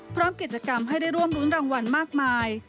พร้อมกิจกรรมให้ได้ร่วมรุ้นรางวัลมากมาย